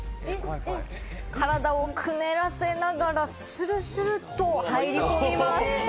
体をくねらせながら、スルスルと入り込みます。